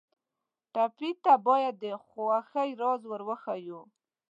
ټپي ته باید د خوښۍ راز ور وښیو.